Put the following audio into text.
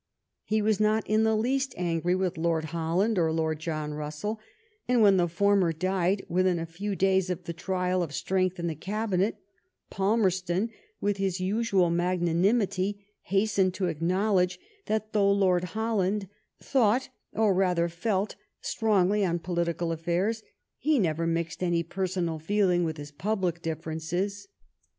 He was not in the least angry with Lord Holland or Lord John Russell ; and when the former died, within a few days of the trial of strength in the Cabinet, Palmerston, with his usual magnanimity, hastened to acknowledge that though Lord Holland thought, or rather felt, strongly on poli tical affairs, he never mixed any personal feeling with his public differences."